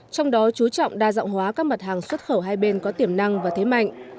trong đó chú trọng đa dạng hóa các mặt hàng xuất khẩu hai bên có tiềm năng và thế mạnh